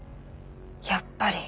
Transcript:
やっぱり。